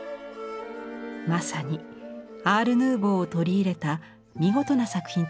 まさにアール・ヌーヴォーを取り入れた見事な作品となっています。